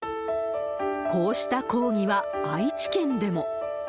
こうした抗議は愛知県でも。